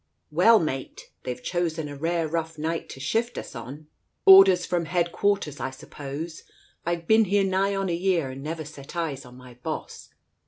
"Well, mate ! They've chosen a rare rough night to shift us on ! Orders from headquarters, I suppose ? I've been here nigh on a year and never set eyes on my boss